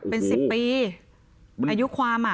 เป็น๑๐ปีอายุความอ่ะ